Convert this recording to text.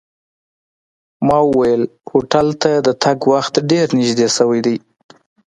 ما وویل هوټل ته د تګ وخت ډېر نږدې شوی دی.